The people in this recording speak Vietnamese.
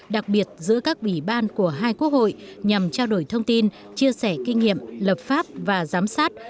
đặc biệt giữa các ủy ban của hai quốc hội nhằm trao đổi thông tin chia sẻ kinh nghiệm lập pháp và giám sát